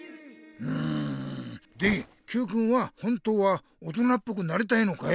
うんでＱくんは本当は大人っぽくなりたいのかい？